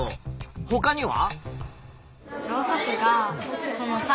ほかには？